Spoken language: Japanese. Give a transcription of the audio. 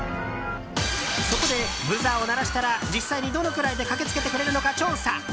そこで、ブザーを鳴らしたら実際にどのくらいで駆けつけてくれるのか調査。